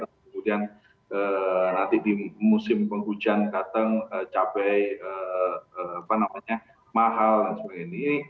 kemudian nanti di musim penghujan datang cabai apa namanya mahal dan sebagainya ini